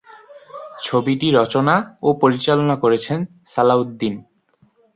ছবিটি রচনা ও পরিচালনা করেছেন সালাউদ্দিন।